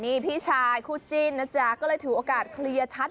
นี่พี่ชายคู่จิ้นนะจ๊ะก็เลยถือโอกาสเคลียร์ชัด